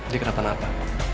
dia kena penapa